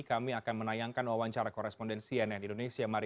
kami akan menayangkan wawancara koresponden cnn indonesia mari